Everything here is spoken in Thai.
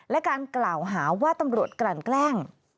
และการกล่าวหาว่าตำรวจกลั่นแกล้ง